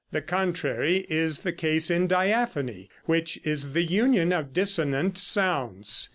The contrary is the case in diaphony, which is the union of dissonant sounds."